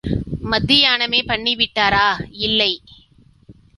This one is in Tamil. மத்தியானமே பண்ணிவிட்டாரா? இல்லை!